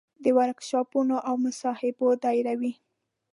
د ورکشاپونو او مصاحبو دایروي.